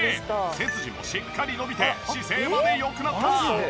背筋もしっかり伸びて姿勢まで良くなった！